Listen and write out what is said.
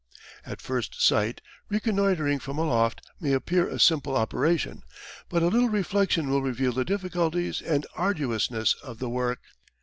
At first sight reconnoitring from aloft may appear a simple operation, but a little reflection will reveal the difficulties and arduousness of the work.